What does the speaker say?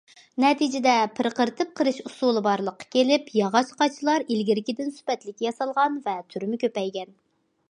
نەتىجىدە پىرقىرىتىپ قىرىش ئۇسۇلى بارلىققا كېلىپ، ياغاچ قاچىلار ئىلگىرىكىدىن سۈپەتلىك ياسالغان ۋە تۈرىمۇ كۆپەيگەن.